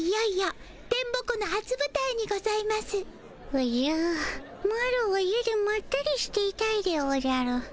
おじゃマロは家でまったりしていたいでおじゃる。